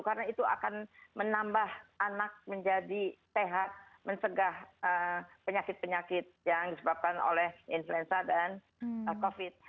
karena itu akan menambah anak menjadi sehat mencegah penyakit penyakit yang disebabkan oleh influenza dan covid